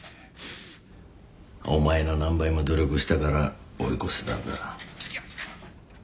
お前の何倍も努力したから追い越せたんだ。